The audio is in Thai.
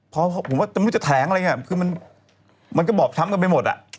เพราะผมว่าจะแถงอะไรอ่ะคือมันก็บอบช้ำกันไปหมด